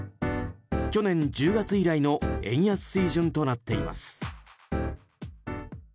去年１０月以来の円安水準となっています。